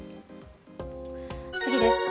次です。